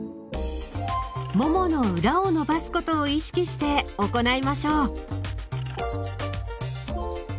ももの裏を伸ばすことを意識して行いましょう。